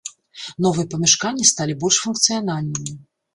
Новыя памяшканні сталі больш функцыянальнымі.